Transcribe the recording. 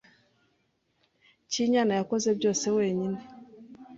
Cyrinyana yakoze byose wenyine.